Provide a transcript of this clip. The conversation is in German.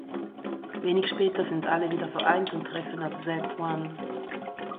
Wenig später sind alle wieder vereint und treffen auf Z-one.